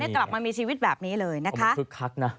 กลับมามีชีวิตแบบนี้เลยนะคะ